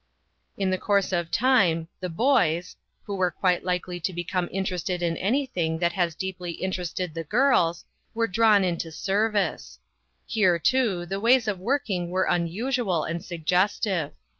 In the course of time, the boys (who are quite likely to become interested in anything that has deeply interested the girls) were drawn into service. Here, too, the ways of working were unusual and suggestive.